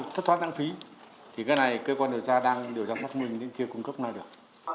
thất thoát nặng phí thì cơ quan điều tra đang điều tra xác minh chưa cung cấp nào được